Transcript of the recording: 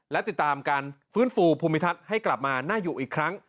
และติดตามการฟื้นฟูภูมิทัศน์ให้กลับมาน่าอยู่อีกครั้ง